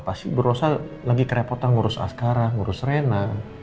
pasti bu rosa lagi kerepotan ngurus askara ngurus rena